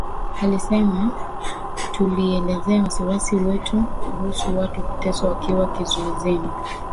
Alisema "tulielezea wasiwasi wetu kuhusu watu kuteswa wakiwa kizuizini"